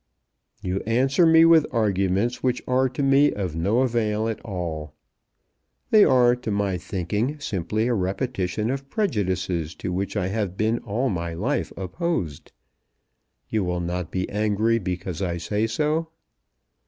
"You answer me with arguments which are to me of no avail at all. They are, to my thinking, simply a repetition of prejudices to which I have been all my life opposed. You will not be angry because I say so?"